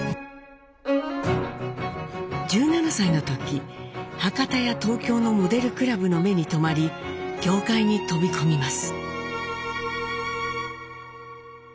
１７歳の時博多や東京のモデルクラブの目に留まり業界に飛び込みます。